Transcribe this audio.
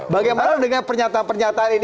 bagaimana dengan pernyataan pernyataan ini